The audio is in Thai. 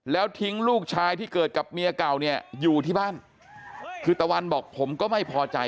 แล้วทิ้งลูกชายที่เกิดกับเมียเก่าเนี่ยอยู่ที่บ้านคือตะวันบอกผมก็ไม่พอใจ